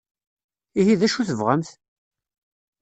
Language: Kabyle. Ihi d acu i tebɣamt?